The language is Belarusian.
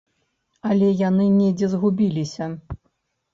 Але яны недзе згубіліся.